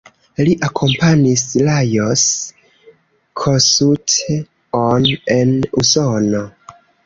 Li akompanis Lajos Kossuth-on en Usono.